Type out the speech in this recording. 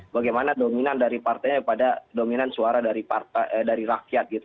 bagaimana dominan dari partainya pada dominan suara dari rakyat gitu